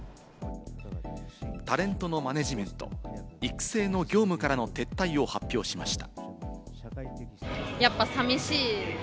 タレントのマネジメント、育成の業務からの撤退を発表しました。